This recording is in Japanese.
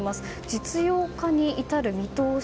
実用化に至る見通し